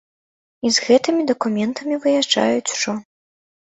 І з гэтымі дакументамі выязджаць ужо.